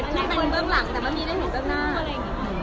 มีแต่ที่เป็นเบื้องหลังแต่ไม่ได้เห็นทั้งหน้า